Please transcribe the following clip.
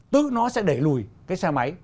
tức nó sẽ đẩy lùi cái xe máy